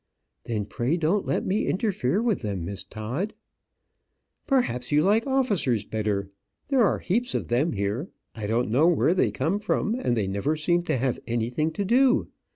"Then pray don't let me interfere with them, Miss Todd." "Perhaps you like officers better. There are heaps of them here. I don't know where they come from, and they never seem to have anything to do.